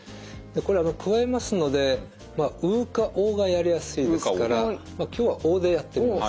これくわえますのでまあ「う」か「お」がやりやすいですからまあ今日は「お」でやってみます。